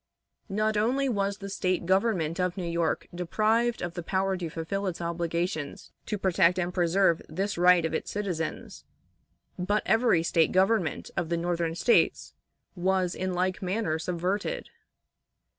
Not only was the State government of New York deprived of the power to fulfill its obligations to protect and preserve this right of its citizens, but every State government of the Northern States was in like manner subverted.